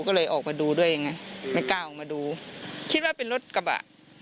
ก็เลยออกมาดูด้วยยังไงไม่กล้าออกมาดูคิดว่าเป็นรถกระบะ